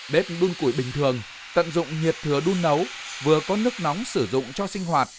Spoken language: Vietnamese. bếp đun củi bình thường tận dụng nhiệt thừa đun nấu vừa có nước nóng sử dụng cho sinh hoạt